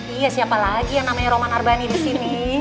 iya siapa lagi yang namanya roman arbani disini